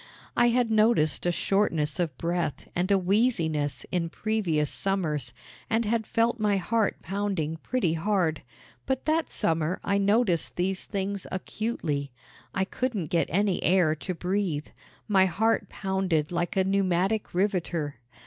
I had noticed a shortness of breath and a wheeziness in previous summers, and had felt my heart pounding pretty hard; but that summer I noticed these things acutely. I couldn't get any air to breathe. My heart pounded like a pneumatic riveter.